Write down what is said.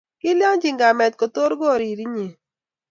kilyachi kamet kotor koriri inye